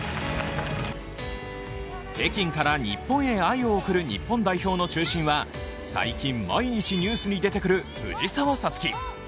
北京から日本へ愛を贈る日本代表の中心は最近毎日ニュースに出てくる藤澤五月。